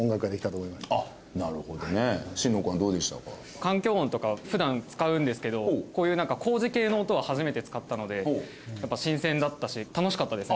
環境音とか普段使うんですけどこういうなんか工事系の音は初めて使ったのでやっぱ新鮮だったし楽しかったですね